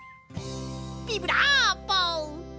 ビブラーボ！